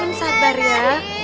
ainun sabar ya